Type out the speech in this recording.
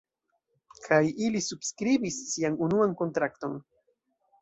Kaj ili subskribis sian unuan kontrakton.